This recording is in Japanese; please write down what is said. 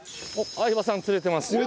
相葉さん釣れてますよ。